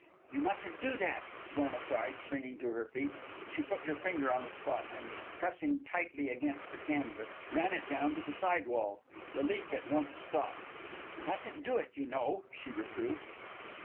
"You mustn't do that!" Frona cried, springing to her feet. She put her finger on the spot, and, pressing tightly against the canvas, ran it down to the side wall. The leak at once stopped. "You mustn't do it, you know," she reproved.